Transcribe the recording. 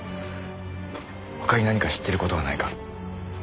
他に何か知ってる事はないか？